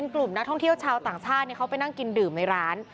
กลุ่มนักท่องเที่ยวชาวต่างชาติเขาไปนั่งกินดื่มในร้าน